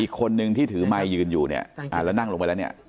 อีกคนนึงที่ถือไมค์ยืนอยู่เนี่ยแล้วนั่งลงไปแล้วเนี่ย